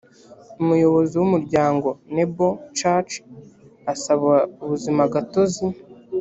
umuyobozi w umuryango nebo church asaba ubuzimagatozi